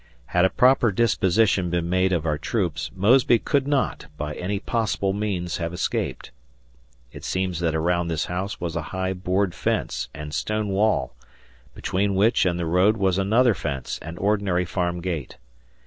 Had a proper disposition been made of our troops, Mosby could not, by any possible means, have escaped. It seems that around this house was a high board fence and stone wall, between which and the road was also another fence and ordinary farm gate.